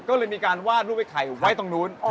ก็เลยมีการวาดรูปไอ้ไข่ไว้ตรงนู้น